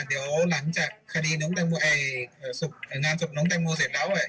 เดี๋ยวหลังจากงานสุขน้องแตงมูลเสร็จแล้ว